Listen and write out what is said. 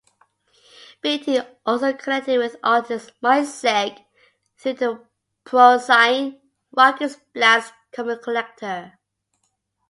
Beatty also connected with artist Mike Zeck, through the "pro-zine" "Rocket's Blast Comicollector".